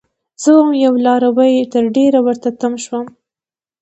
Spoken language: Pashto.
زه وم یو لاروی؛ تر ډيرو ورته تم شوم